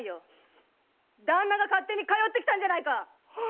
旦那が勝手に金を持って来たんじゃないか鬼っ